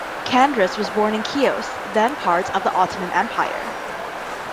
Chandris was born in Chios, then part of the Ottoman Empire.